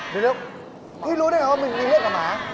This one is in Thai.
เดี๋ยวพี่รู้ได้ไงว่ามันมีเรื่องกับหมา